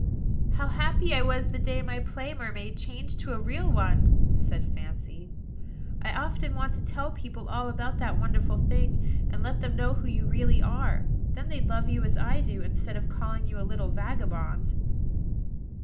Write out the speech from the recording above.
"How happy I was the day my play mermaid changed to a real one!" said Fancy. "I often want to tell people all about that wonderful thing, and let them know who you really are: then they'd love you as I do, instead of calling you a little vagabond."